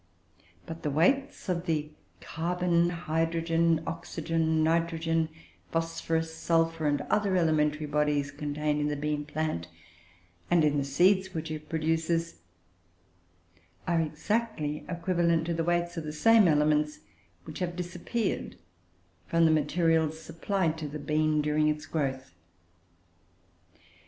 But the weights of the carbon, hydrogen, oxygen, nitrogen, phosphorus, sulphur, and other elementary bodies contained in the bean plant, and in the seeds which it produces, are exactly equivalent to the weights of the same elements which have disappeared from the materials supplied to the bean during its growth.